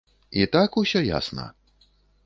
І так усё ясна?